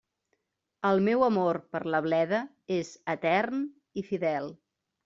El meu amor per la bleda és etern i fidel.